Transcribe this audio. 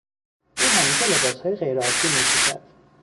او همیشه لباسهای غیرعادی میپوشد.